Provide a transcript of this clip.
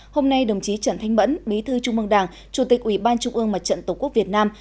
hôm nay đồng chí trần thanh mẫn bí thư trung mương đảng chủ tịch ủy ban trung ương mặt trận tổ quốc việt nam